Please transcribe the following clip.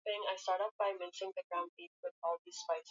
Alipata pesa nyingi juzi